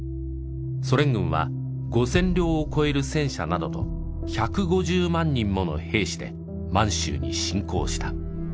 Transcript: ソ連軍は５０００両を超える戦車などと１５０万人もの兵士で満州に侵攻した。